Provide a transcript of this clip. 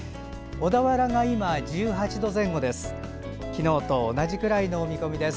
小田原が今、１８度前後です。